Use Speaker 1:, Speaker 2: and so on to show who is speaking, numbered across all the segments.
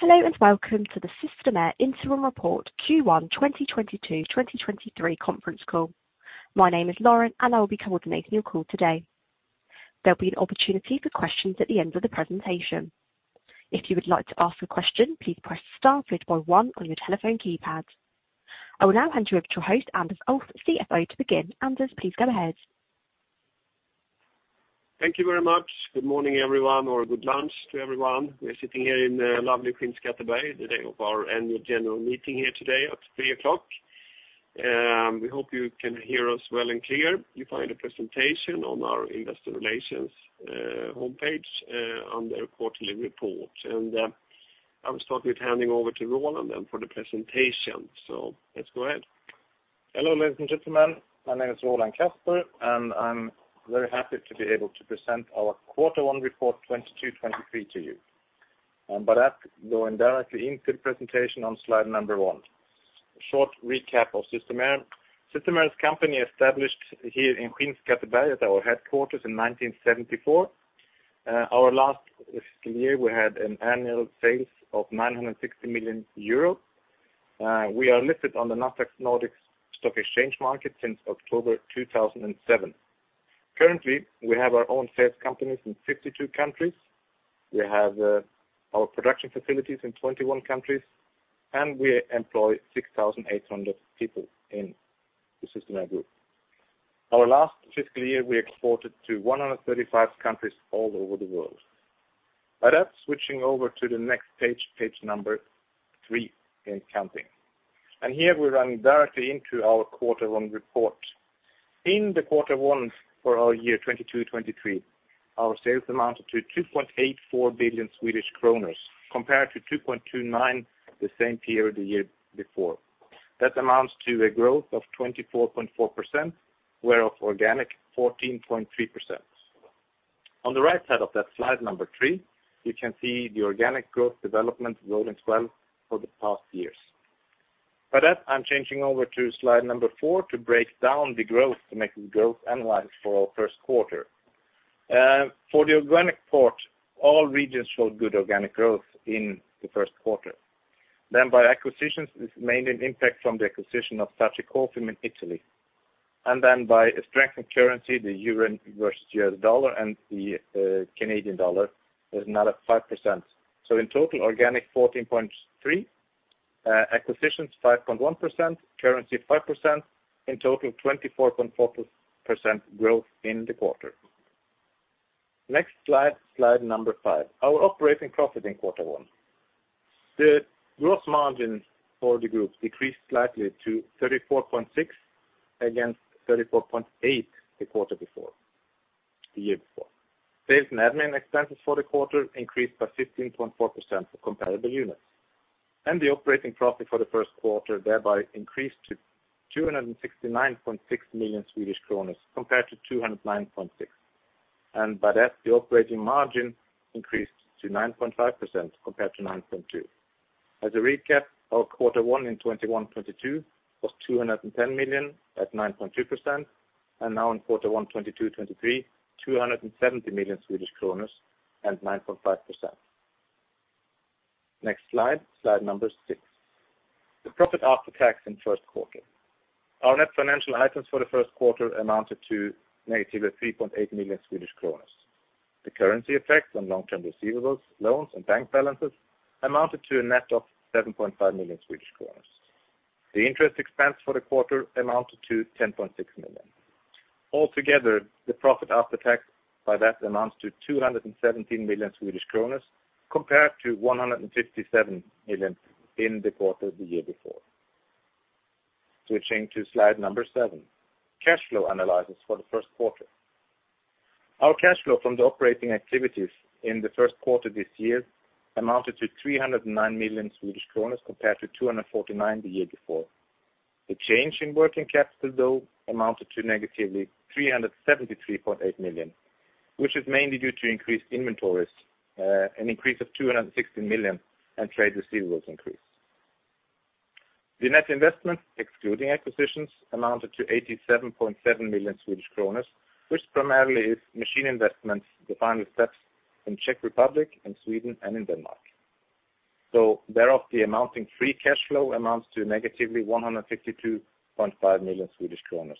Speaker 1: Hello and welcome to the Systemair Interim Report Q1 2022/2023 conference call. My name is Lauren, and I will be coordinating your call today. There'll be an opportunity for questions at the end of the presentation. If you would like to ask a question, please press star followed by one on your telephone keypad. I will now hand you over to your host, Anders Ulff, CFO to begin. Anders, please go ahead.
Speaker 2: Thank you very much. Good morning, everyone, or good lunch to everyone. We're sitting here in lovely Skinnskatteberg, the day of our annual general meeting here today at 3:00 P.M. We hope you can hear us well and clear. You find a presentation on our investor relations homepage on the quarterly report. I will start with handing over to Roland then for the presentation. Let's go ahead.
Speaker 3: Hello, ladies and gentlemen. My name is Roland Kasper, and I'm very happy to be able to present our quarter one report 2022-2023 to you. Going directly into the presentation on slide number 1. A short recap of Systemair. Systemair's company established here in Skinnskatteberg at our headquarters in 1974. Our last fiscal year, we had annual sales of 960 million euros. We are listed on the Nasdaq Nordic Stock Exchange since October 2007. Currently, we have our own sales companies in 52 countries. We have our production facilities in 21 countries, and we employ 6,800 people in the Systemair Group. Our last fiscal year, we exported to 135 countries all over the world. With that, switching over to the next page number 3 and counting. Here, we're running directly into our quarter one report. In the quarter one for our year 2022, 2023, our sales amounted to 2.84 billion Swedish kronor, compared to 2.29 billion the same period the year before. That amounts to a growth of 24.4%, whereof organic 14.3%. On the right side of that slide 3, you can see the organic growth development growing as well for the past years. By that, I'm changing over to slide 4 to break down the growth, to make the growth analyzed for our first quarter. For the organic part, all regions showed good organic growth in the first quarter. By acquisitions, it's mainly an impact from the acquisition of Sacci Coprim in Italy. By a strength of currency, the euro versus the dollar and the Canadian dollar is another 5%. In total, organic 14.3%, acquisitions 5.1%, currency 5%, in total 24.4% growth in the quarter. Next slide number five. Our operating profit in quarter one. The gross margin for the group decreased slightly to 34.6% against 34.8% the quarter before, the year before. Sales and admin expenses for the quarter increased by 15.4% for comparable units. By that, the operating margin increased to 9.5% compared to 9.2%. The operating profit for the first quarter thereby increased to 269.6 million, compared to 209.6 million. As a recap, our quarter 1 in 2021-22 was 210 million at 9.2%, and now in quarter 1, 2022-23, 270 million Swedish kronor and 9.5%. Next slide number 6. The profit after tax in first quarter. Our net financial items for the first quarter amounted to -3.8 million Swedish kronor. The currency effects on long-term receivables, loans, and bank balances amounted to a net of 7.5 million Swedish kronor. The interest expense for the quarter amounted to 10.6 million. Altogether, the profit after tax by that amounts to 217 million Swedish kronor compared to 157 million in the quarter the year before. Switching to slide number 7, cash flow analysis for the first quarter. Our cash flow from the operating activities in the first quarter this year amounted to 309 million Swedish kronor compared to 249 million the year before. The change in working capital, though, amounted to -373.8 million, which is mainly due to increased inventories, an increase of 260 million and trade receivables increase. The net investment, excluding acquisitions, amounted to 87.7 million Swedish kronor, which primarily is machine investments, the final steps in Czech Republic, in Sweden, and in Denmark. Thereof, the amount in free cash flow amounts to -152.5 million Swedish kronor,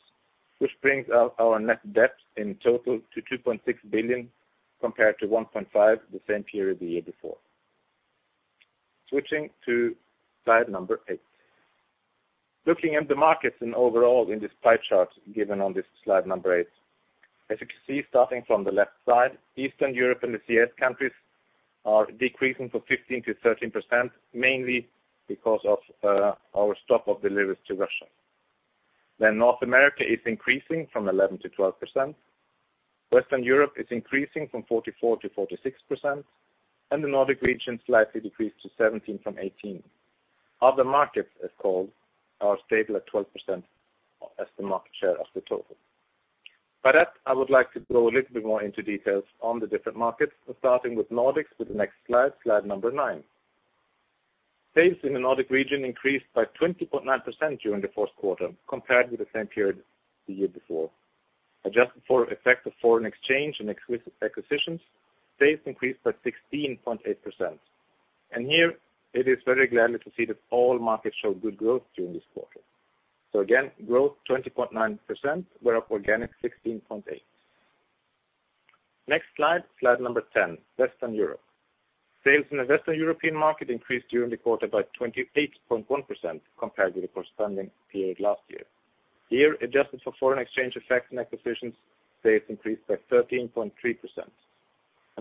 Speaker 3: which brings our net debt in total to 2.6 billion compared to 1.5 billion the same period the year before. Switching to slide number 8. Looking at the markets and overall in this pie chart given on this slide number 8, as you can see, starting from the left side, Eastern Europe and the CIS countries are decreasing from 15%-13%, mainly because of our stop of deliveries to Russia. North America is increasing from 11%-12%. Western Europe is increasing from 44%-46%, and the Nordic region slightly decreased to 17% from 18%. Other markets, so-called, are stable at 12% as the market share of the total. By that, I would like to go a little bit more into details on the different markets, starting with Nordics with the next slide number 9. Sales in the Nordic region increased by 20.9% during the first quarter compared to the same period the year before. Adjusted for effect of foreign exchange and acquisitions, sales increased by 16.8%. Here it is very good to see that all markets show good growth during this quarter. Again, growth 20.9%, whereof organic 16.8. Next slide number 10. Western Europe. Sales in the Western European market increased during the quarter by 28.1% compared to the corresponding period last year. Here, adjusted for foreign exchange effects and acquisitions, sales increased by 13.3%.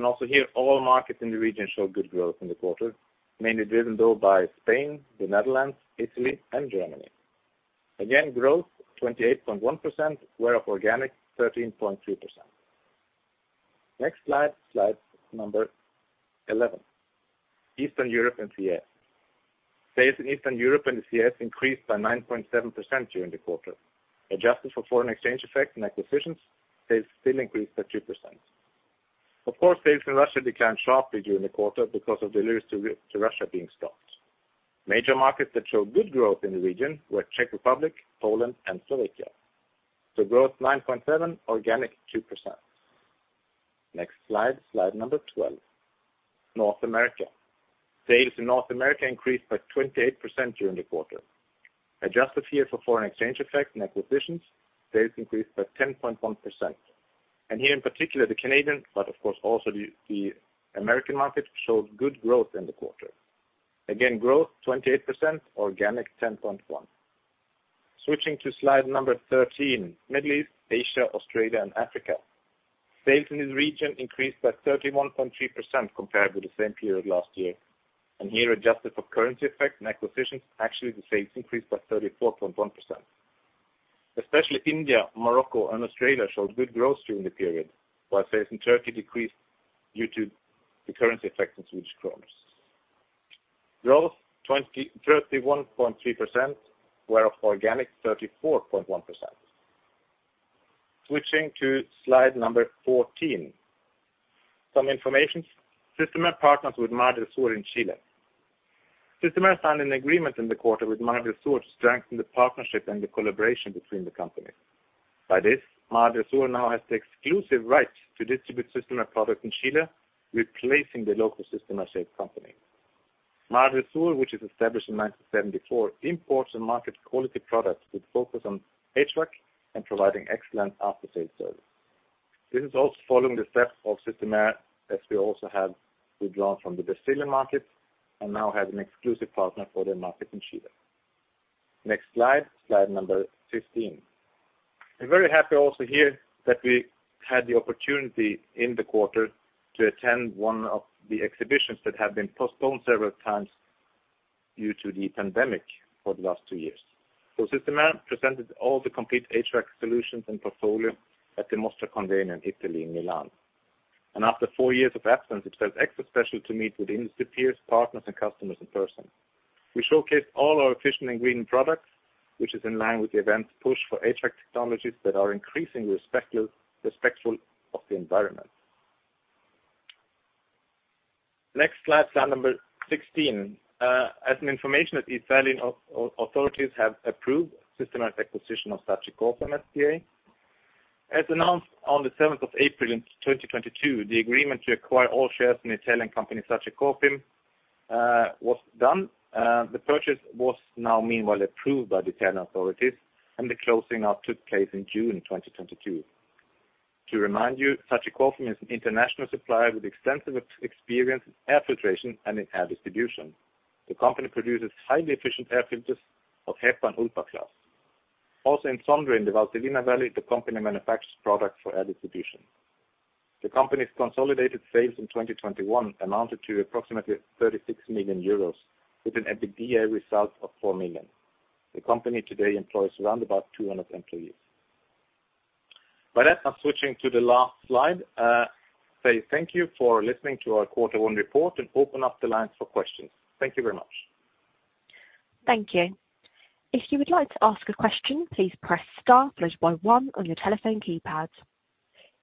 Speaker 3: Also here, all markets in the region show good growth in the quarter, mainly driven by Spain, the Netherlands, Italy, and Germany. Again, growth 28.1%, whereof organic 13.3%. Next slide number 11. Eastern Europe and CIS. Sales in Eastern Europe and the CIS increased by 9.7% during the quarter. Adjusted for foreign exchange effects and acquisitions, sales still increased by 2%. Of course, sales in Russia declined sharply during the quarter because of deliveries to Russia being stopped. Major markets that show good growth in the region were Czech Republic, Poland, and Slovakia. Growth 9.7%, organic 2%. Next slide number 12. North America. Sales in North America increased by 28% during the quarter. Adjusted here for foreign exchange effects and acquisitions, sales increased by 10.1%. Here in particular, the Canadian, but of course also the American market showed good growth in the quarter. Again, growth 28%, organic 10.1%. Switching to slide number 13. Middle East, Asia, Australia and Africa. Sales in this region increased by 31.3% compared with the same period last year. Here, adjusted for currency effects and acquisitions, actually the sales increased by 34.1%. Especially India, Morocco, and Australia showed good growth during the period, while sales in Turkey decreased due to the currency effect in Swedish kronor. Growth 31.3%, whereof organic 34.1%. Switching to slide number 14. Some information. Systemair partners with Mar del Sur in Chile. Systemair signed an agreement in the quarter with Mar del Sur to strengthen the partnership and the collaboration between the companies. By this, Mar del Sur now has the exclusive right to distribute Systemair products in Chile, replacing the local Systemair sales company. Mar del Sur, which is established in 1974, imports and markets quality products with focus on HVAC and providing excellent after-sales service. This is also following the steps of Systemair, as we also have withdrawn from the Brazilian market and now have an exclusive partner for their market in Chile. Next slide number 15. I'm very happy also here that we had the opportunity in the quarter to attend one of the exhibitions that have been postponed several times due to the pandemic for the last two years. Systemair presented all the complete HVAC solutions and portfolio at the Mostra Convegno in Italy in Milan. After four years of absence, it felt extra special to meet with industry peers, partners, and customers in person. We showcased all our efficient and green products, which is in line with the event's push for HVAC technologies that are increasingly respectful of the environment. Next slide number 16. As information that Italian authorities have approved Systemair acquisition of Sacci Coprim S.p.A. As announced on the seventh of April in 2022, the agreement to acquire all shares in Italian company Sacci Coprim, was done. The purchase was now meanwhile approved by the Italian authorities, and the closing up took place in June 2022. To remind you, Sacci Coprim is an international supplier with extensive experience in air filtration and in air distribution. The company produces highly efficient air filters of HEPA and ULPA class. Also in Sondrio, in the Valtellina valley, the company manufactures products for air distribution. The company's consolidated sales in 2021 amounted to approximately 36 million euros with an EBITDA result of 4 million. The company today employs around 200 employees. By that, I'm switching to the last slide, say thank you for listening to our quarter one report and open up the lines for questions. Thank you very much.
Speaker 1: Thank you. If you would like to ask a question, please press star followed by one on your telephone keypad.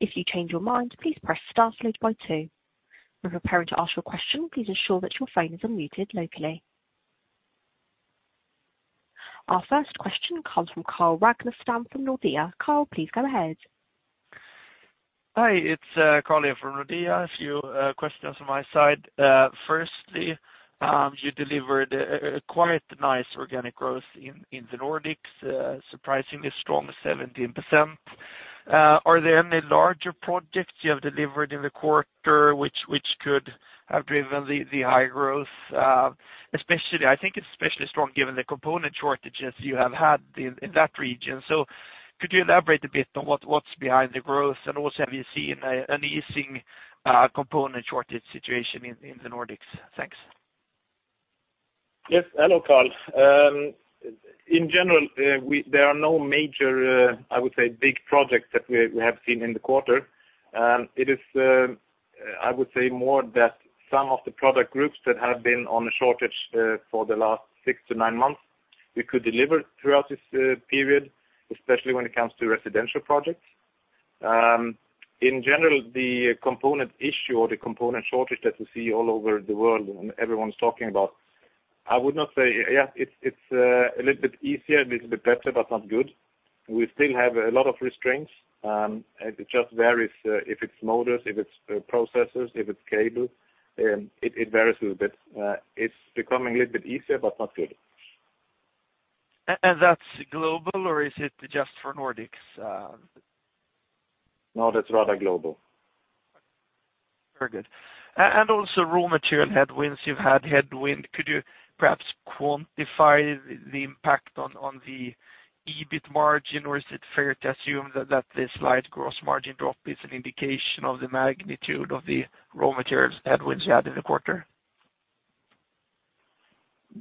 Speaker 1: If you change your mind, please press star followed by two. When preparing to ask your question, please ensure that your phone is unmuted locally. Our first question comes from Carl Ragnestad from Nordea. Carl, please go ahead.
Speaker 4: Hi, it's Carl here from Nordea. A few questions from my side. Firstly, you delivered a quite nice organic growth in the Nordics, surprisingly strong 17%. Are there any larger projects you have delivered in the quarter which could have driven the high growth? Especially, I think it's especially strong given the component shortages you have had in that region. Could you elaborate a bit on what's behind the growth? Also, have you seen an easing component shortage situation in the Nordics? Thanks.
Speaker 3: Hello, Carl. In general, there are no major, I would say, big projects that we have seen in the quarter. It is, I would say, more that some of the product groups that have been on a shortage for the last 6-9 months, we could deliver throughout this period, especially when it comes to residential projects. In general, the component issue or the component shortage that we see all over the world and everyone's talking about, I would not say. Yeah, it's a little bit easier, a little bit better, but not good. We still have a lot of restraints, and it just varies if it's motors, if it's processors, if it's cable, it varies a little bit. It's becoming a little bit easier but not good.
Speaker 4: That's global or is it just for Nordics?
Speaker 3: No, that's rather global.
Speaker 4: Very good. Also raw material headwinds, you've had headwind. Could you perhaps quantify the impact on the EBIT margin? Or is it fair to assume that the slight gross margin drop is an indication of the magnitude of the raw materials headwinds you had in the quarter?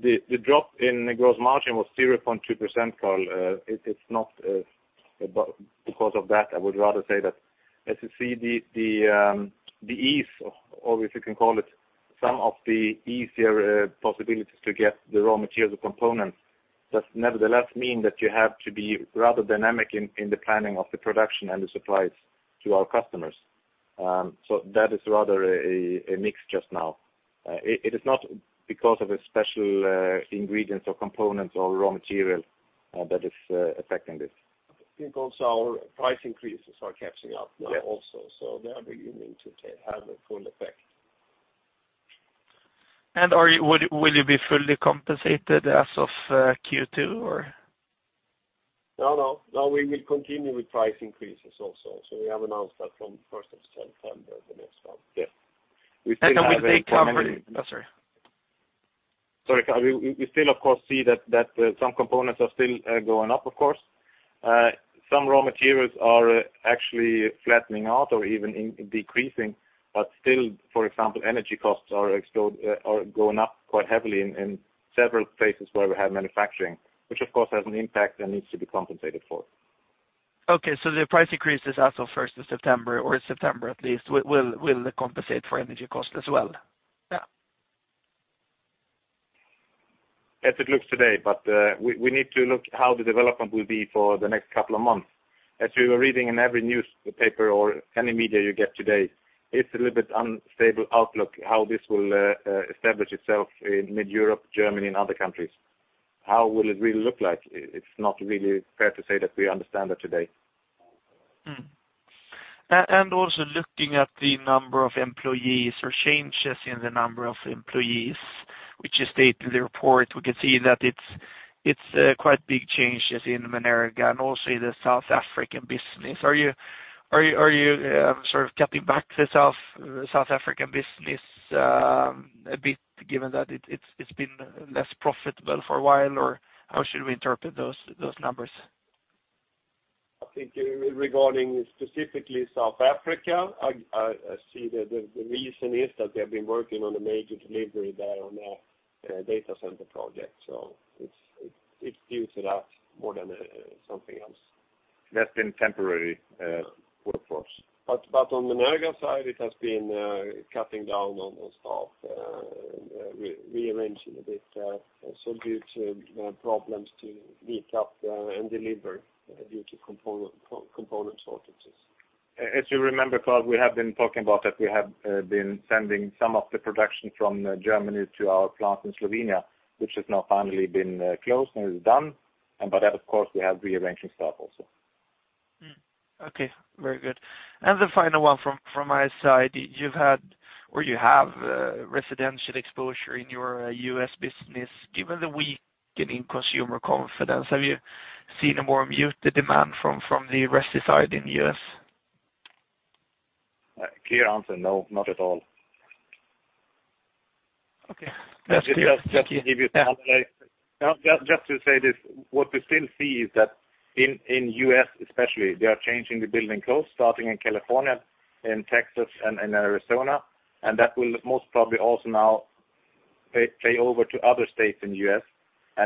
Speaker 3: The drop in the gross margin was 0.2%, Carl. It's not because of that. I would rather say that as you see the ease, or if you can call it some of the easier possibilities to get the raw materials or components, does nevertheless mean that you have to be rather dynamic in the planning of the production and the supplies to our customers. That is rather a mix just now. It is not because of a special ingredients or components or raw material that is affecting this.
Speaker 2: I think also our price increases are catching up now also.
Speaker 3: Yes.
Speaker 2: They are beginning to have a full effect.
Speaker 4: Will you be fully compensated as of Q2 or?
Speaker 2: No, no. No, we will continue with price increases also. We have announced that from the first of September, the next one.
Speaker 3: Yeah. We still have a company.
Speaker 4: Can we take some of it? I'm sorry.
Speaker 3: Sorry, Carl. We still of course see that some components are still going up, of course. Some raw materials are actually flattening out or even decreasing. Still, for example, energy costs are going up quite heavily in several places where we have manufacturing, which of course has an impact and needs to be compensated for.
Speaker 4: Okay, the price increases as of first of September or September at least will compensate for energy costs as well?
Speaker 3: Yeah. As it looks today, but we need to look how the development will be for the next couple of months. As we were reading in every newspaper or any media you get today, it's a little bit unstable outlook, how this will establish itself in mid-Europe, Germany and other countries. How will it really look like? It's not really fair to say that we understand that today.
Speaker 4: Also looking at the number of employees or changes in the number of employees, which is stated in the report, we can see that it's quite big changes in America and also the South African business. Are you sort of cutting back the South African business a bit given that it's been less profitable for a while? Or how should we interpret those numbers?
Speaker 2: I think, regarding specifically South Africa, I see that the reason is that they've been working on a major delivery there on a data center project. It builds it up more than something else.
Speaker 3: That's been temporary workforce.
Speaker 2: On the America side, it has been cutting down on staff, rearranging a bit, also due to the problems to meet up and deliver due to component shortages.
Speaker 3: As you remember, Carl, we have been talking about that we have been sending some of the production from Germany to our plant in Slovenia, which has now finally been closed and is done. Of course, we have rearranging staff also.
Speaker 4: Okay. Very good. The final one from my side. You've had or you have residential exposure in your U.S. business. Given the weakening consumer confidence, have you seen a more muted demand from the resi side in U.S.?
Speaker 3: Clear answer, no, not at all.
Speaker 4: Okay. That's clear. Thank you.
Speaker 3: Just to give you some other.
Speaker 4: Yeah.
Speaker 3: Now, just to say this, what we still see is that in U.S. especially, they are changing the building codes starting in California, in Texas, and in Arizona, and that will most probably also now play over to other states in the U.S.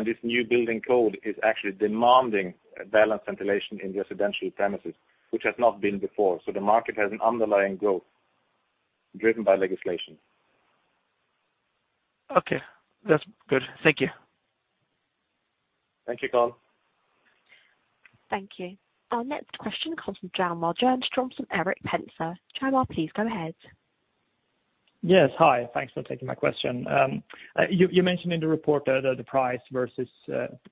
Speaker 3: This new building code is actually demanding balanced ventilation in the residential premises, which has not been before. The market has an underlying growth driven by legislation.
Speaker 4: Okay, that's good. Thank you.
Speaker 3: Thank you, Carl.
Speaker 1: Thank you. Our next question comes from Hjalmar Jernström from Erik Penser. Hjalmar, please go ahead.
Speaker 5: Yes. Hi. Thanks for taking my question. You mentioned in the report that the price versus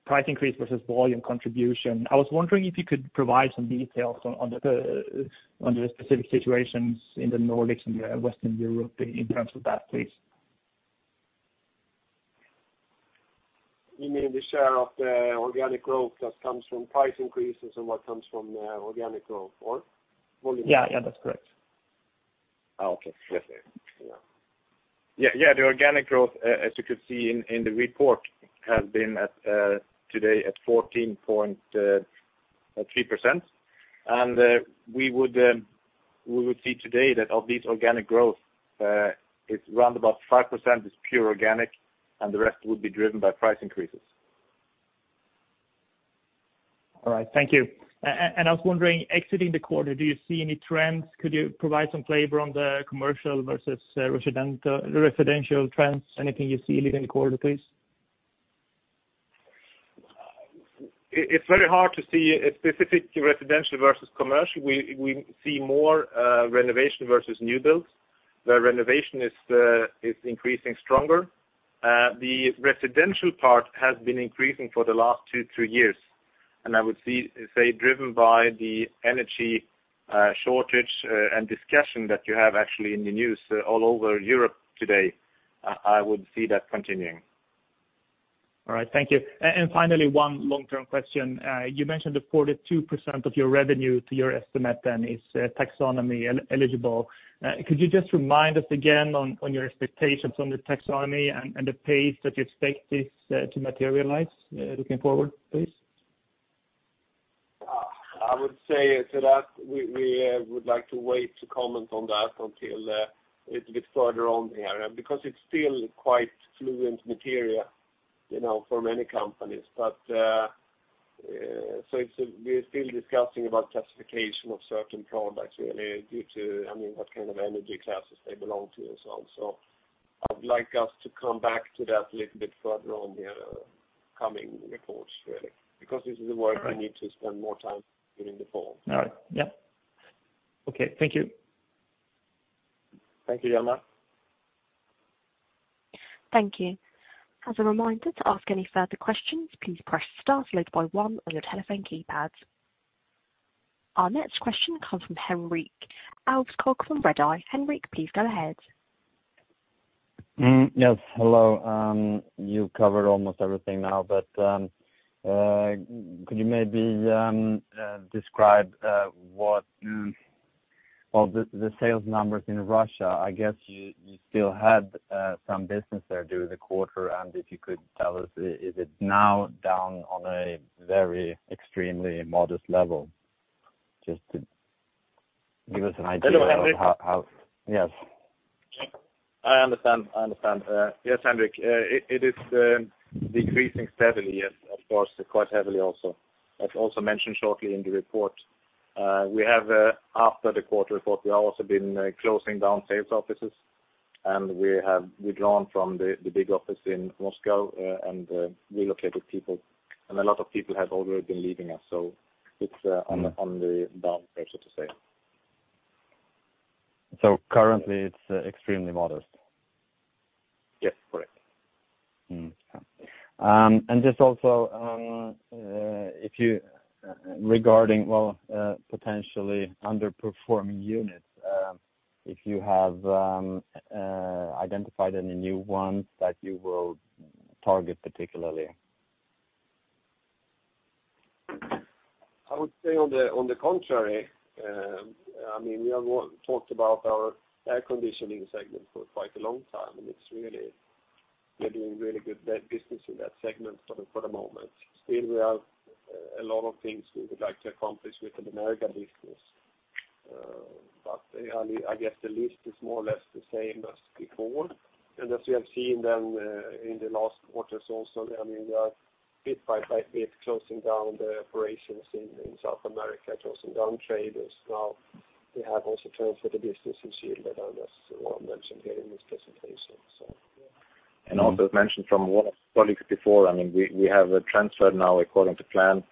Speaker 5: price increase versus volume contribution. I was wondering if you could provide some details on the specific situations in the Nordics and Western Europe in terms of that, please.
Speaker 2: You mean the share of the organic growth that comes from price increases and what comes from organic growth or volume?
Speaker 5: Yeah, yeah, that's correct.
Speaker 2: Oh, okay.
Speaker 3: The organic growth, as you could see in the report, has been, today, at 14.3%. We would see today that of this organic growth, it's round about 5% is pure organic, and the rest would be driven by price increases.
Speaker 5: All right. Thank you. I was wondering, exiting the quarter, do you see any trends? Could you provide some flavor on the commercial versus residential trends? Anything you see leaving the quarter, please?
Speaker 2: It's very hard to see a specific residential versus commercial. We see more renovation versus new builds, where renovation is increasing stronger. The residential part has been increasing for the last two, three years, and I would say driven by the energy shortage and discussion that you have actually in the news all over Europe today. I would see that continuing.
Speaker 5: All right. Thank you. Finally, one long-term question. You mentioned that 42% of your revenue to your estimate then is taxonomy eligible. Could you just remind us again on your expectations on the taxonomy and the pace that you expect this to materialize looking forward, please?
Speaker 2: I would say to that, we would like to wait to comment on that until a little bit further on here, because it's still quite fluid material, you know, for many companies. We're still discussing about classification of certain products really due to, I mean, what kind of energy classes they belong to and so on. I would like us to come back to that a little bit further on the coming reports really, because this is the work we need to spend more time during the fall.
Speaker 5: All right. Yep. Okay. Thank you.
Speaker 2: Thank you, Hjalmar Jernström.
Speaker 1: Thank you. As a reminder to ask any further questions, please press star followed by one on your telephone keypads. Our next question comes from Henrik Alveskog from Redeye. Henrik, please go ahead.
Speaker 6: Yes, hello. You covered almost everything now, but could you maybe describe what the sales numbers in Russia? I guess you still had some business there during the quarter, and if you could tell us, is it now down on a very extremely modest level? Just to give us an idea of how
Speaker 2: Hello, Henrik.
Speaker 6: Yes.
Speaker 2: I understand. Yes, Henrik, it is decreasing steadily, yes, of course, quite heavily also. That's also mentioned shortly in the report. After the quarter report, we have also been closing down sales offices, and we have withdrawn from the big office in Moscow, and relocated people. A lot of people have already been leaving us, so it's-
Speaker 6: Mm.
Speaker 2: On the down pressure to say.
Speaker 6: Currently it's extremely modest?
Speaker 2: Yes. Correct.
Speaker 6: Just also, regarding potentially underperforming units, if you have identified any new ones that you will target particularly?
Speaker 2: I would say on the contrary, I mean, we have talked about our air conditioning segment for quite a long time, and it's really. We're doing really good business in that segment for the moment. Still we have a lot of things we would like to accomplish with the America business. But I mean, I guess the list is more or less the same as before. As we have seen then, in the last quarters also, I mean, we are bit by bit closing down the operations in South America, closing down traders now. We have also transferred the business in Chile, as Roland mentioned here in this presentation.
Speaker 3: Also as mentioned from one of colleagues before, I mean, we have transferred now according to plan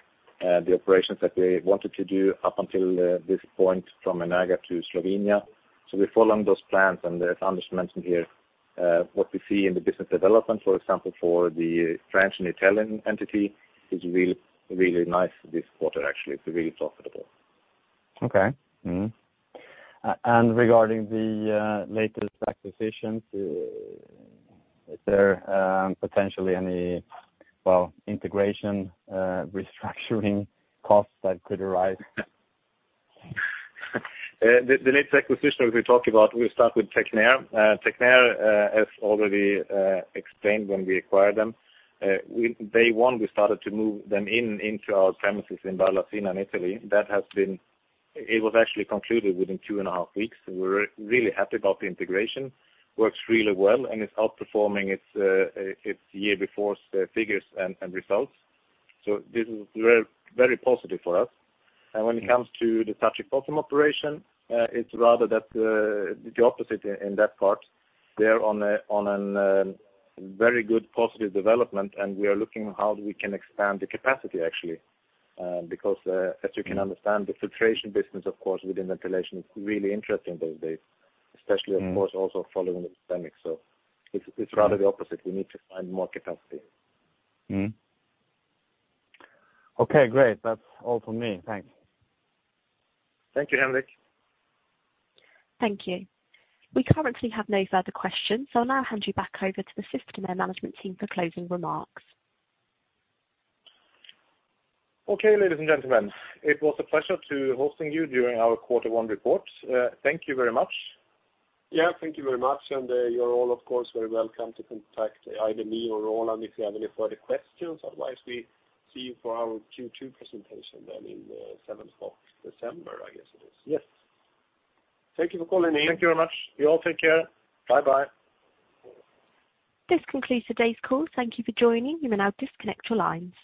Speaker 3: the operations that we wanted to do up until this point from America to Slovenia. We're following those plans. As Anders mentioned here, what we see in the business development, for example, for the French and Italian entity is really, really nice this quarter, actually, it's really profitable.
Speaker 6: Regarding the latest acquisitions, is there potentially any, well, integration restructuring costs that could arise?
Speaker 3: The latest acquisition, as we talked about, we start with Tecnair. Tecnair, as already explained when we acquired them, day one, we started to move them into our premises in Barcellona Pozzo di Gotto, Italy. That has been. It was actually concluded within two and a half weeks. We're really happy about the integration. Works really well, and it's outperforming its year before's figures and results. So this is very, very positive for us. When it comes to the strategic business operation, it's rather the opposite in that part. They're on a very good positive development, and we are looking how we can expand the capacity actually, because, as you can understand, the filtration business of course within ventilation is really interesting these days, especially.
Speaker 6: Mm.
Speaker 3: Of course also following the pandemic. It's rather the opposite. We need to find more capacity.
Speaker 6: Okay, great. That's all for me. Thanks.
Speaker 2: Thank you, Henrik.
Speaker 1: Thank you. We currently have no further questions, so I'll now hand you back over to the Systemair management team for closing remarks.
Speaker 2: Okay. Ladies and gentlemen, it was a pleasure to hosting you during our quarter one report. Thank you very much. Yeah, thank you very much. You're all, of course, very welcome to contact either me or Roland if you have any further questions. Otherwise, we see you for our Q2 presentation then in seventh of December, I guess it is.
Speaker 3: Yes. Thank you for calling in.
Speaker 2: Thank you very much. You all take care. Bye-bye.
Speaker 1: This concludes today's call. Thank you for joining. You may now disconnect your lines.